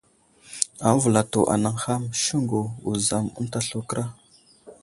Aməvəlsto anay ham : Siŋgu, Wuzam ənta slu kəra.